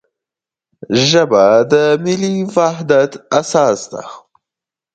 ژبه د ملي وحدت اساس ده.